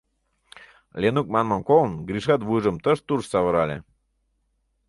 Ленук манмым колын, Гришат вуйжым тыш-туш савырале.